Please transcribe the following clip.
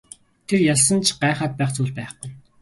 Тэр ялсан ч гайхаад байх зүйл байхгүй.